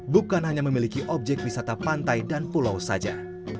bukan hanya memiliki objek wisata pantai dan pulau saja